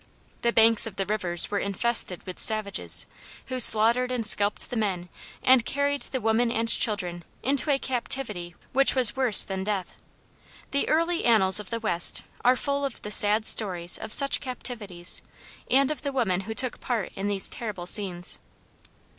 The banks of the rivers were infested with savages, who slaughtered and scalped the men and carried the women and children into a captivity which was worse than death. The early annals of the West are full of the sad stories of such captivities, and of the women who took part in these terrible scenes.